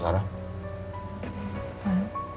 montang berubah ya